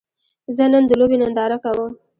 زه نن د لوبې ننداره کوم